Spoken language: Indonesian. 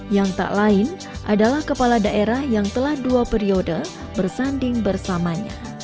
yang tak lain adalah kepala daerah yang telah dua periode bersanding bersamanya